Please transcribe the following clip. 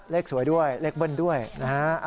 เลขสวยด้วยเลขเบิ้ลด้วยนะฮะ